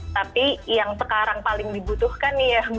tapi yang sekarang paling dibutuhkan nih ya mbak dea